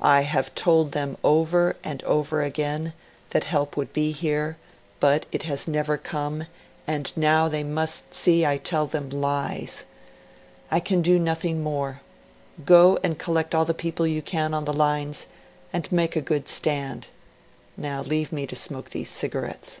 I have told them over and over again that help would be here, but it has never come, and now they must see I tell them lies. I can do nothing more. Go, and collect all the people you can on the lines, and make a good stand. Now leave me to smoke these cigarettes.'